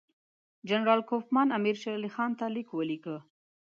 جنرال کوفمان امیر شېر علي خان ته لیک ولیکه.